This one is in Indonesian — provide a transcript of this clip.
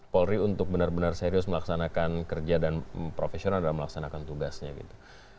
polri untuk benar benar serius melaksanakan kerja dan profesional dalam melaksanakan tugasnya gitu